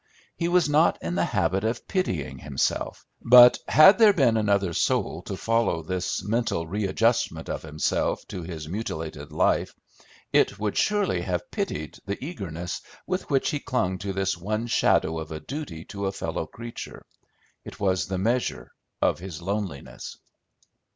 He was not in the habit of pitying himself, but had there been another soul to follow this mental readjustment of himself to his mutilated life, it would surely have pitied the eagerness with which he clung to this one shadow of a duty to a fellow creature. It was the measure of his loneliness.